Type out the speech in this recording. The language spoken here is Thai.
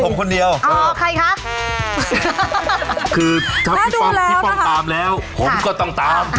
อันนี้คล้ายโขง